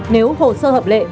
nếu hồ sơ hợp lệ